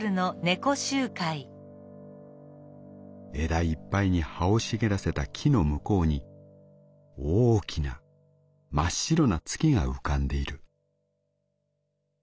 「枝いっぱいに葉を茂らせた木の向こうに大きな真っ白な月が浮かんでいる」。